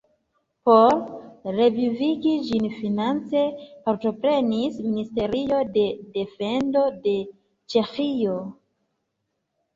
Por revivigi ĝin finance partoprenis Ministerio de defendo de Ĉeĥio.